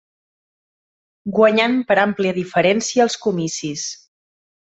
Guanyant per àmplia diferència els comicis.